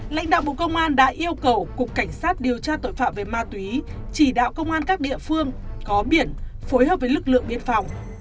lãnh đạo bộ công an đã yêu cầu cục cảnh sát điều tra tội phạm về ma túy chỉ đạo công an các địa phương có biển phối hợp với lực lượng biên phòng